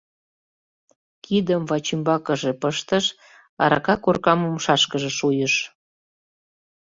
Кидым вачӱмбакыже пыштыш, арака коркам умшашкыже шуйыш.